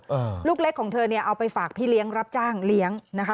ลูกเล็กของเธอเนี่ยเอาไปฝากพี่เลี้ยงรับจ้างเลี้ยงนะคะ